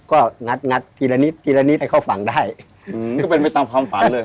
ก็งัดงัดทีละนิดทีละนิดให้เขาฝังได้ก็เป็นไปตามความฝันเลย